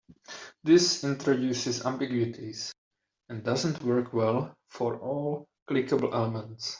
This introduces ambiguities and doesn't work well for all clickable elements.